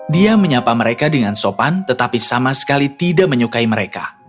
dia menyapa mereka dengan sopan tetapi sama sekali tidak menyukai mereka